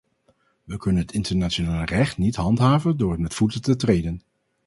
We kunnen het internationale recht niet handhaven door het met voeten te treden.